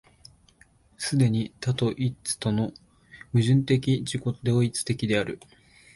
既に多と一との矛盾的自己同一的である。